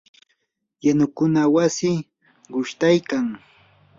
yanukuna wasi qushtaykan.